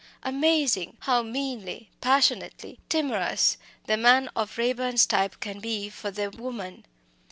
Amazing! how meanly, passionately timorous the man of Raeburn's type can be for the woman!